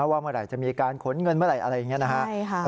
ว่าเมื่อไหร่จะมีการขนเงินเมื่อไหร่อะไรอย่างนี้นะครับ